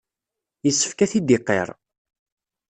Yessefk ad t-id-iqirr.